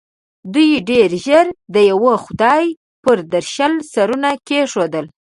دوی ډېر ژر د یوه خدای پر درشل سرونه کېښول.